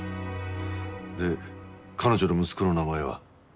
で彼女の息子の名前は？